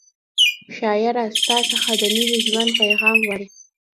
شاعره ستا څخه د نوي ژوند پیغام غواړي